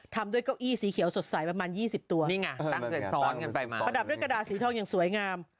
ทำด้วยเก้าอี้สีเขียวสดใสประมาณ๒๐ตัวประดับด้วยกระดาษีทองอย่างสวยงาม